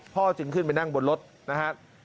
จึงขึ้นไปนั่งบนรถนะครับ